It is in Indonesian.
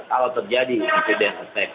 kalau terjadi incident attack